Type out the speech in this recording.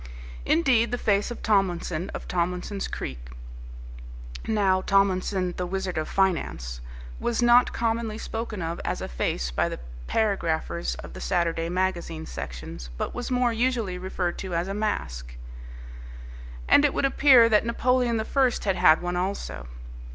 Indeed, the face of Tomlinson of Tomlinson's Creek, now Tomlinson the Wizard of Finance, was not commonly spoken of as a face by the paragraphers of the Saturday magazine sections, but was more usually referred to as a mask; and it would appear that Napoleon the First had had one also.